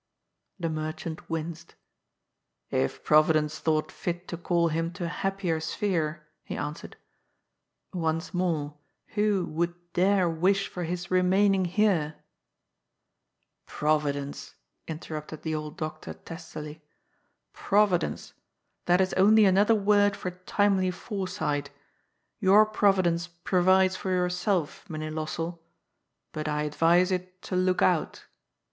The merchant winced. " If Proyidence thought fit to call him to a happier sphere," he answered, ^ once more, who would dare wish for his remaining here ?"" Proyidence !" interrupted the old doctor testily, " Proy idence ! That is only another word for * timely foresight.* Your proyidence proyides for yourself, Mynheer Lossell. But I adyise it to look out.'